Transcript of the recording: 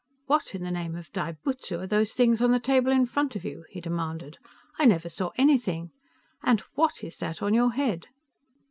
"What in the name of Dai Butsu are those things on the table in front of you?" he demanded. "I never saw anything _And what is that on your head?